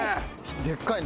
でっかいね。